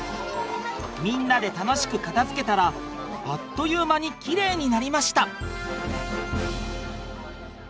みんなで楽しく片づけたらあっという間にきれいになりました。